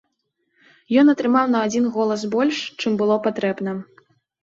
Ён атрымаў на адзін голас больш, чым было патрэбна.